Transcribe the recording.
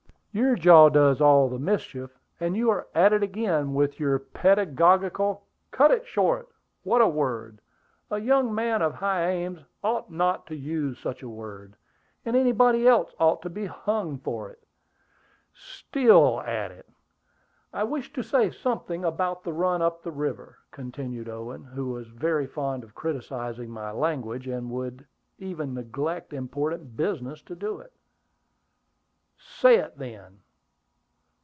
"Your jaw does all the mischief; and you are at it again, with your pedagogical " "Cut it short! What a word! A young man of high aims ought not to use such a word; and anybody else ought to be hung for it!" "Still at it!" "I wish to say something about the run up the river," continued Owen, who was very fond of criticising my language, and would even neglect important business to do it. "Say it, then."